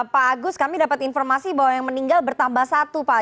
pak agus kami dapat informasi bahwa yang meninggal bertambah satu pak